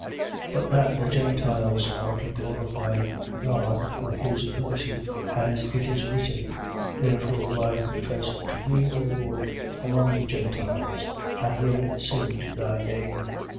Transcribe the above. But that the Gentiles are to glorify God for his mercy, as it is written: Therefore will I confess to thee, O Lord, among the Gentiles and will sing to thy name.